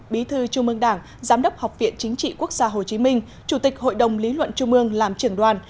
bí thư trung ương đảng giám đốc học viện chính trị quốc gia hồ chí minh chủ tịch hội đồng lý luận trung ương làm trưởng đoàn